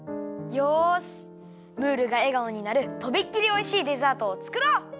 よしムールがえがおになるとびっきりおいしいデザートをつくろう。